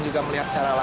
tim laporan diri